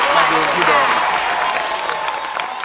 มาดูที่โดน